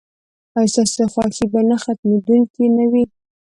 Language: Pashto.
ایا ستاسو خوښي به نه ختمیدونکې نه وي؟